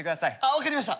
分かりました。